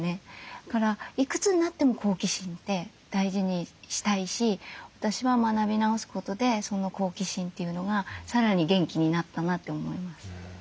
だからいくつになっても好奇心って大事にしたいし私は学び直すことでその好奇心というのがさらに元気になったなって思います。